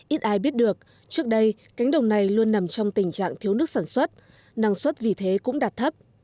ít ai biết được trước đây cánh đồng này luôn nằm trong tình trạng thiếu nước sản xuất năng suất vì thế cũng đạt thấp